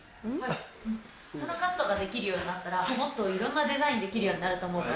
そのカットができるようになったらもっといろんなデザインできるようになると思うから。